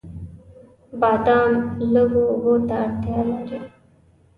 بادام لږو اوبو ته اړتیا لري.